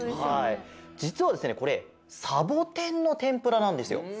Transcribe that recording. じつはですねこれサボテンのてんぷらなんですよ。